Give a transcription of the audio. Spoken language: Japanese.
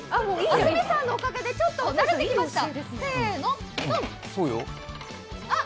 安住さんのおかげでちょっと慣れてきました。